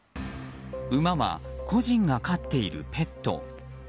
馬は個人が飼っているペット。